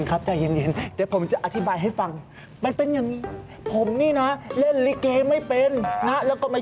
ไอ้นอนก็ไม่ไอ้นี่ก็ไม่